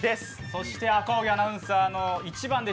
そして赤荻アナウンサーの一番弟子